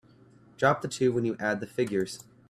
Drop the two when you add the figures.